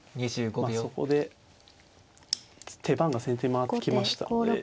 まあそこで手番が先手に回ってきましたので。